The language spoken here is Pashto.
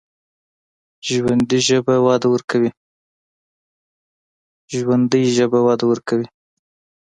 ژوندي ژبه وده ورکوي